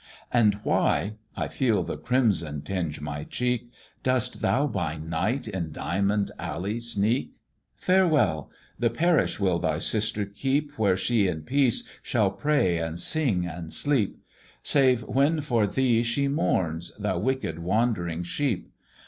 And why (I feel the crimson tinge my cheek) Dost thou by night in Diamond Alley sneak? "Farewell! the parish will thy sister keep, Where she in peace shall pray and sing and sleep, Save when for thee she mourns, thou wicked, wandering sheep.